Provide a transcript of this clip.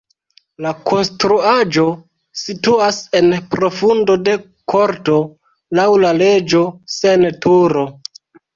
La konstruaĵo situas en profundo de korto, laŭ la leĝo sen turo.